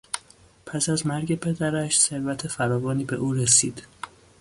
پس از مرگ پدرش ثروت فراوانی به او رسید.